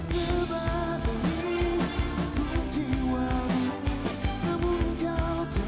tidak ada yang tak lagi memanggil